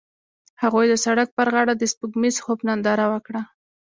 هغوی د سړک پر غاړه د سپوږمیز خوب ننداره وکړه.